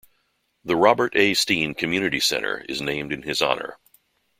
The Robert A. Steen Community Centre is named in his honour.